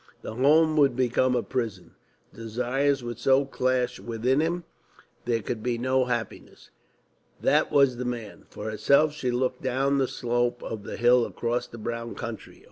The home would become a prison. Desires would so clash within him, there could be no happiness. That was the man. For herself, she looked down the slope of the hill across the brown country.